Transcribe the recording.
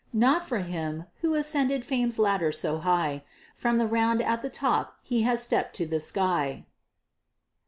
Not for him who ascended Fame's ladder so high From the round at the top he has stepp'd to the sky!